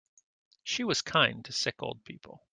She was kind to sick old people.